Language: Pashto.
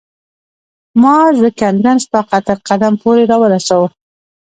ما زکندن ستا تر قدم پوري را ورساوه